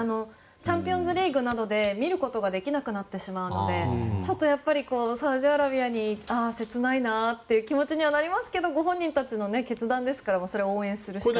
チャンピオンズリーグなどで見ることができなくなってしまうのでサウジアラビアに行くのはああ、切ないなという気持ちになりますけどご本人たちの決断ですから応援するしかないです。